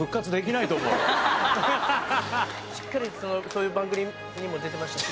しっかりそういう番組にも出てました。